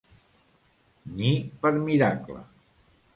Ni per miracle.